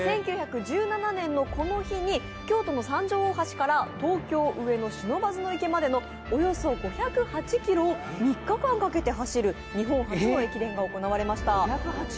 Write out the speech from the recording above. １９１７年のこの日に、京都・三条大橋から東京・上野の不忍池までを３日間かけて走る日本初の駅伝が行われました。